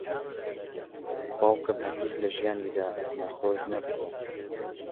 باوکم هەرگیز لە ژیانیدا نەخۆش نەبووە.